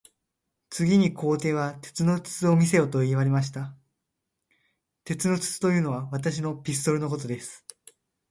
次に皇帝は、鉄の筒を見せよと言われました。鉄の筒というのは、私のピストルのことです。